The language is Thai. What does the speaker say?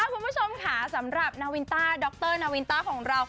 คุณผู้ชมค่ะสำหรับนาวินต้าดรนาวินต้าของเรา